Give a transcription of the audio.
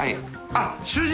あっ主人！